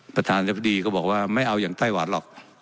ประธานยบดีก็บอกว่าไม่เอาอย่างไต้หวันหรอก